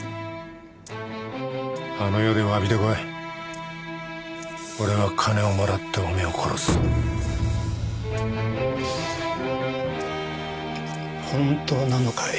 あの世でわびてこい俺は金をもらっておめぇを殺す本当なのかい？